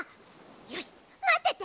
よしまってて！